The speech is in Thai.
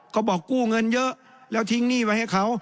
บอกกู้เงินเยอะแล้วทิ้งหนี้ไว้ให้เขา